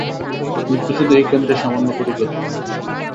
মৃত্যু শুধু এই কেন্দ্রের সামান্য পরিবর্তন।